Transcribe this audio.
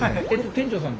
店長さん？